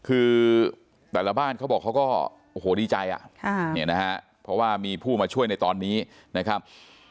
คือแต่ละบ้านเขาบอกเขาก็โอ้โหดีใจเพราะว่ามีผู้มาช่วยในตอนนี้นะครับ